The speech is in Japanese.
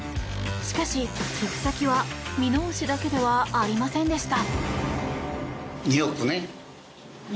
しかし、寄付先は箕面市だけではありませんでした。